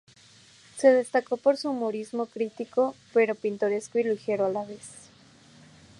Se destacó por su humorismo crítico, pero pintoresco y ligero a la vez.